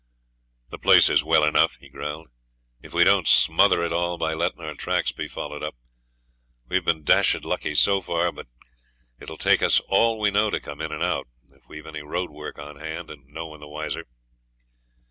'The place is well enough,' he growled, 'if we don't smother it all by letting our tracks be followed up. We've been dashed lucky so far, but it'll take us all we know to come in and out, if we've any roadwork on hand, and no one the wiser.'